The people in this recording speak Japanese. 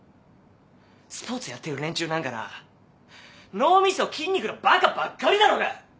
スポーツやってる連中なんかな脳みそ筋肉のバカばっかりだろが！